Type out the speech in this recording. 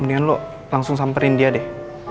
mendingan lu langsung samperin dia deh